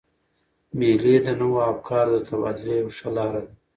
مېلې د نوو افکارو د تبادلې یوه ښه لاره ده.